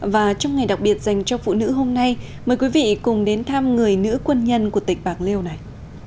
và trong ngày đặc biệt dành cho phụ nữ hôm nay mời quý vị cùng đến thăm người nữ quân nhân của tỉnh bạc liêu này